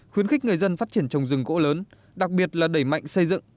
khuyến khích người dân phát triển trồng rừng gỗ lớn đặc biệt là đẩy mạnh xây dựng